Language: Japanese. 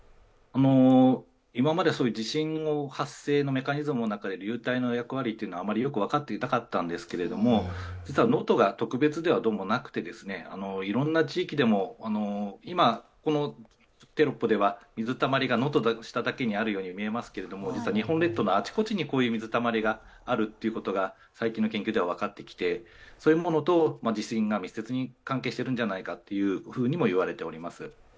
今まで地震発生のメカニズムの中で流体の役割というのがあまりよく分かっていなかったんですけれども、実は能登が特別ではなくていろんな地域でも、今テロップでは水たまりが能登の下にだけあるように見えますけど実は日本列島のあちこちにこういった水たまりがあるということが最近の研究で分かってきて、そういうものと地震が密接に関係しているんじゃないかと言われています。